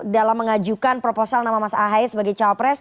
dalam mengajukan proposal nama mas ahy sebagai cawapres